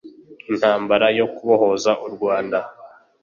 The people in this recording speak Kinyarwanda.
Intambara yo kubohoza u Rwanda